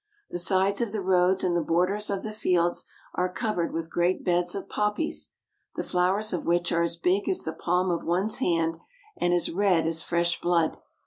The sides of the roads and the borders of the fields are covered with great beds of poppies, the flowers of which are as big as the palm of one's hand and as red as fresh blood.